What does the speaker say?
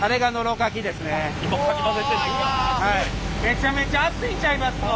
めちゃめちゃ熱いんちゃいますの？